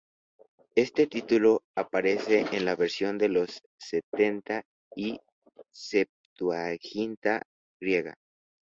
Este título aparece en la Versión de los Setenta o Septuaginta Griega.